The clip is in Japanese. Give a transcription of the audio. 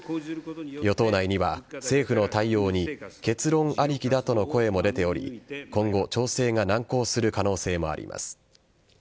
与党内には、政府の対応に結論ありきだとの声も出ており今後調整が難航する可能性もあります。